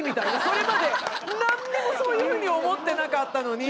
それまで何にもそういうふうに思ってなかったのに。